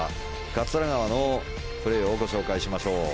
桂川のプレーをご紹介しましょう。